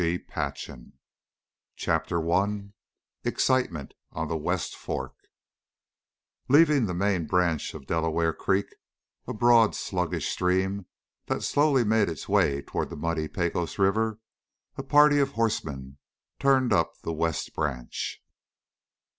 Conclusion CHAPTER I EXCITEMENT ON THE WEST FORK Leaving the main branch of Delaware Creek, a broad, sluggish stream that slowly made its way toward the muddy Pecos River, a party of horsemen turned up the west branch.